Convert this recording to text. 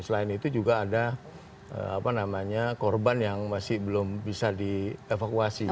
selain itu juga ada korban yang masih belum bisa dievakuasi